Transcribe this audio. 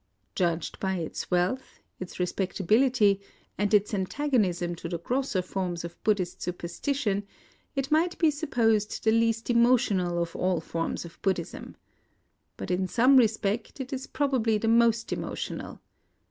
Judged by its wealth, its respectability, and its antagonism to the grosser forms of Bud dhist superstition, it might be supposed the least emotional of all forms of Buddhism. But in some respects it is probably the most emotional.